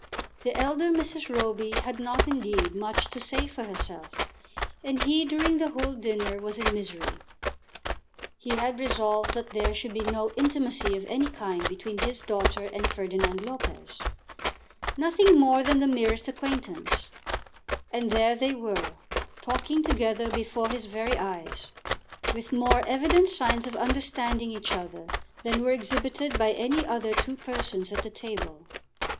The elder Mrs. Roby had not, indeed, much to say for herself, and he during the whole dinner was in misery. He had resolved that there should be no intimacy of any kind between his daughter and Ferdinand Lopez, nothing more than the merest acquaintance; and there they were, talking together before his very eyes, with more evident signs of understanding each other than were exhibited by any other two persons at the table.